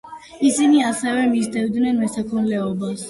ისინი ასევე მისდევენ მესაქონლეობას, მოყავთ ტკბილი კარტოფილი და საზამთრო.